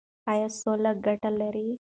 ایا سوله ګټه لري؟